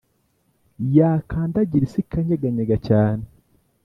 Yakandagira isi ikanyeganyega cyane